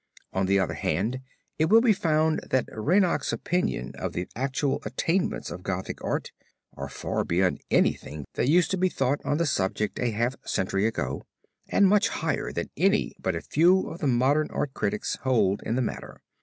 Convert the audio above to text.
On the other hand it will be found that Reinach's opinion of the actual attainments of Gothic art are far beyond anything that used to be thought on the subject a half century ago, and much higher than any but a few of the modern art critics hold in the matter.